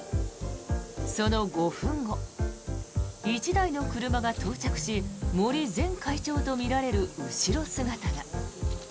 その５分後、１台の車が到着し森前会長とみられる後ろ姿が。